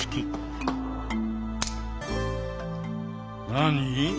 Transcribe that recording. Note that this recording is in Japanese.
何？